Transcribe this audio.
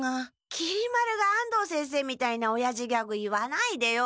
きり丸が安藤先生みたいなおやじギャグ言わないでよ。